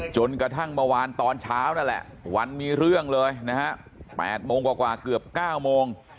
จนกระทั่งเมื่อวานตอนเช้านั่นแหละวันมีเรื่องเลยนะฮะ๘โมงกว่าเกือบ๙โมง